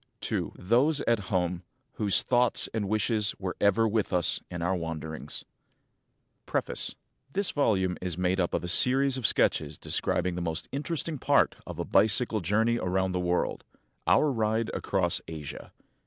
TO THOSE AT HOME WHOSE THOUGHTS AND WISHES WERE EVER WITH US IN OUR WANDERINGS [xi] PREFACE This volume is made up of a series of sketches describing the most interesting part of a bicycle journey around the world, — our ride across Asia.